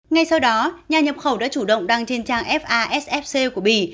ngay sau đó nhà nhập khẩu đã chủ động đăng trên trang fasfc của bỉ